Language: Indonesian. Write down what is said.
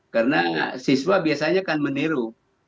karena siswa biasanya akan meniru